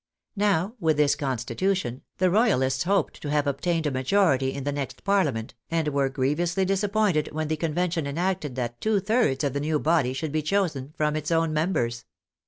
Now, with this constitution, the Roy alists hoped to have obtained a majority in the next Par Hament, and were grievously disappointed when the Con vention enacted that two thirds of the new body should be chosen from its own members.